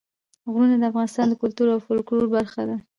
غرونه د افغانستان د کلتور او فولکلور برخه ده.